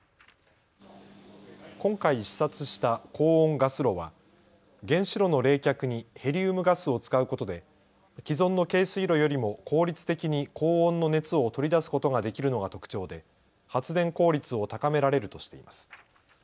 今回、視察した高温ガス炉は原子炉の冷却にヘリウムガスを使うことで既存の軽水炉よりも効率的に高温の熱を取り出すことができるのが特徴で発電効率を高められるとしています。